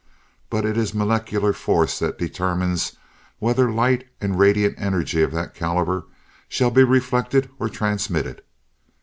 But it is molecular force that determines whether light and radiant energy of that caliber shall be reflected or transmitted.